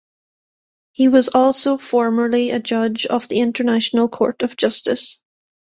He was also formerly a judge of the International Court of Justice.